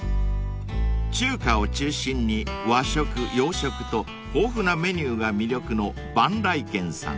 ［中華を中心に和食洋食と豊富なメニューが魅力の萬来軒さん］